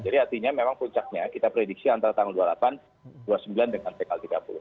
jadi artinya memang puncaknya kita prediksi antara tanggal dua puluh delapan dua puluh sembilan dengan tanggal tiga puluh